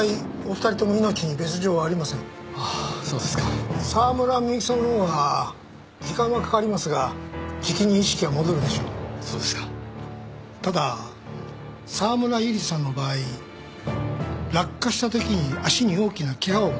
そうですか沢村美雪さんのほうは時間はかかりますがじきに意識は戻るでしょうそうですかただ沢村百合さんの場合落下した時に足に大きなケガを負っています